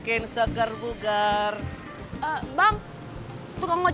estrawat john semungut